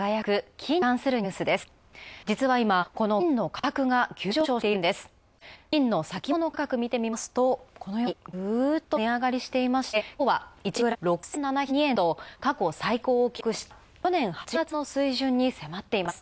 金の先物価格見ていますと、このようにグーッと値上がりしていまして、きょうは１グラム６７６２円と過去最高を記録した去年８月の水準に迫っています。